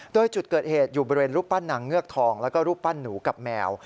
โดยจุดเกิดเหตุอยู่บริเวณรูปปั้นนางเงือกทองแล้วก็รูปปั้นหนูกับแมว